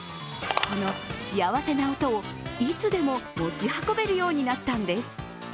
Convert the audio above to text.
この幸せな音をいつでも持ち運べるようになったんです。